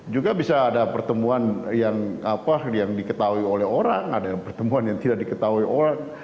juga bisa ada pertemuan yang diketahui oleh orang ada pertemuan yang tidak diketahui orang